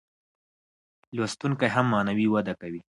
لوستونکی هم معنوي وده کوي.